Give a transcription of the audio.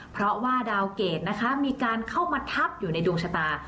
เพราะว่าดาวเกรดนะคะมีการเข้ามาทับอยู่ในดวงชะตา